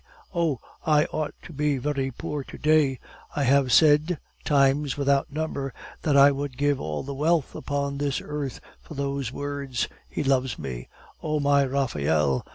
Oh, I ought to be very poor to day. I have said, times without number, that I would give all the wealth upon this earth for those words, 'He loves me!' O my Raphael!